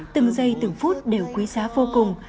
từng giây từng phút đều quý giá vô cùng